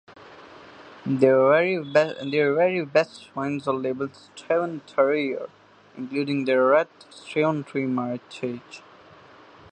Their very best wines are labelled Strewn Terroir, including their red Strewn Three meritage.